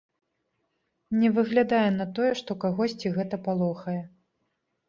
Не выглядае на тое, што кагосьці гэта палохае.